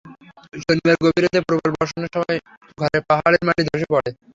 শনিবার গভীর রাতে প্রবল বর্ষণের সময় ঘরে পাহাড়ের মাটি ধসে পড়ে।